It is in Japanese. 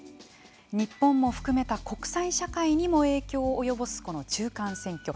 日本も含めた国際社会にも影響を及ぼす、この中間選挙。